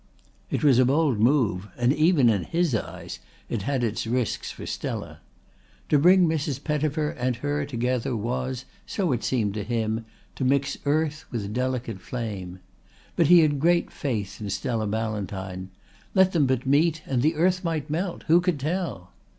It was a bold move, and even in his eyes it had its risks for Stella. To bring Mrs. Pettifer and her together was, so it seemed to him, to mix earth with delicate flame. But he had great faith in Stella Ballantyne. Let them but meet and the earth might melt who could tell?